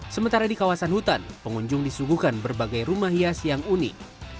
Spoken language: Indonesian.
sementara di kawasan hutan pengunjung disuguhkan berbagai rumah hias yang unik